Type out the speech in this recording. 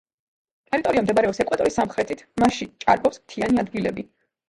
ტერიტორია მდებარეობს ეკვატორის სამხრეთით, მასში ჭარბობს მთიანი ადგილები.